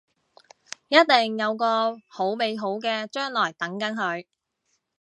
一定有個好美好嘅將來等緊佢